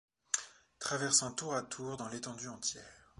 Traversant tour à tour dans l’étendue entière